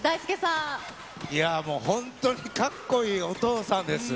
いやー、もう本当に、かっこいいお父さんです。